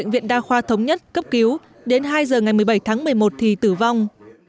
viện đa khoa thống nhất cấp cứu đến hai giờ ngày một mươi bảy tháng một mươi một thì tử vong